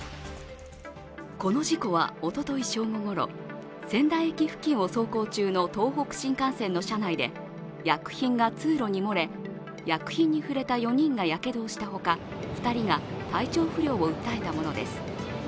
この事故はおととい正午ごろ、仙台駅付近を走行中の東北新幹線の車内で薬品が通路に漏れ、薬品に触れた４人がやけどをしたほか、２人が体調不良を訴えたものです。